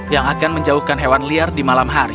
yang akan menjauhkan hewan liar di malam hari